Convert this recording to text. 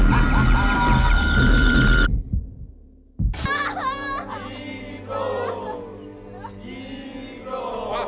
mungkin aku akan keluar